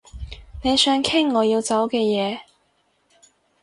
你想傾我要走嘅嘢